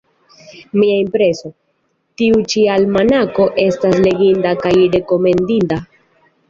Mia impreso: tiu ĉi almanako estas leginda kaj rekomendinda.